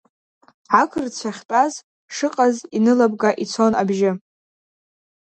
Ақырҭцәа ахьтәаз шыҟаз инылабга ицон абжьы.